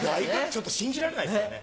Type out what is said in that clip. ちょっと信じられないですよね。